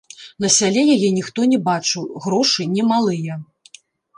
На сяле яе ніхто не бачыў, грошы не малыя.